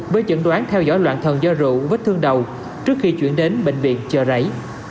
với dẫn đoán theo dõi loạn thần do rượu vết thương đầu trước khi chuyển đến bệnh viện chợ rẫy